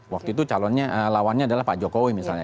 waktu itu calonnya lawannya adalah pak jokowi misalnya